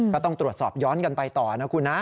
ก็ต้องตรวจสอบย้อนกันไปต่อนะคุณนะ